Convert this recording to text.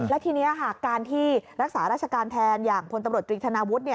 และทีนี้การที่รักษาราชการแทนอย่างพลตำรวจตรีธนาวุฒิ